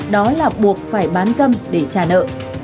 đó là buộc phải bán dâm để trả nợ